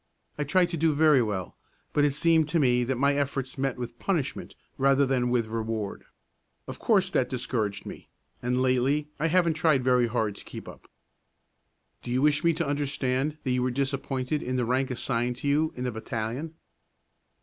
I tried to do very well, but it seemed to me that my efforts met with punishment rather than with reward. Of course that discouraged me, and lately I haven't tried very hard to keep up." "Do you wish me to understand that you were disappointed in the rank assigned to you in the battalion?"